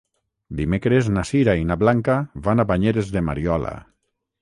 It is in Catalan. Dimecres na Sira i na Blanca van a Banyeres de Mariola.